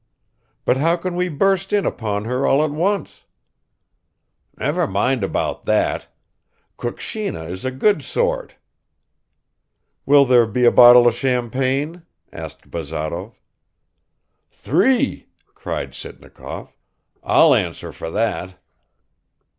"But how can we burst in upon her all at once?" "Never mind about that. Kukshina is a good sort!" "Will there be a bottle of champagne?" asked Bazarov. "Three!" cried Sitnikov, "I'll answer for that."